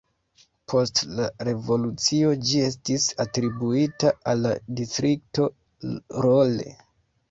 Post la revolucio ĝi estis atribuita al la Distrikto Rolle.